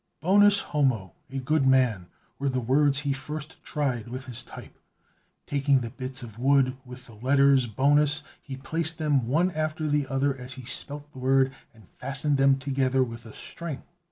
Bonus homo, "a good man," were the words he first tried with his type. Taking the bits of wood with the letters bonus, he placed them one after the other as he spelt the word, and fastened them together with a string.